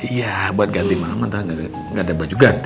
iya buat ganti mama ntar gak ada baju ganti